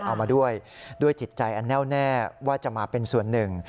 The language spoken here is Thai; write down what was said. เอามาด้วยด้วยจิตใจอันแน่วแน่ว่าจะมาเป็นส่วนหนึ่ง